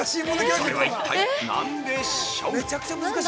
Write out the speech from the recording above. それは一体何でしょう。